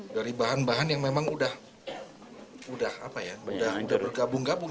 dari bahan bahan yang memang udah bergabung gabung